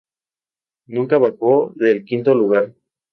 Nunca bajó del quinto lugar.